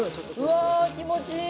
うわ気持ちいい！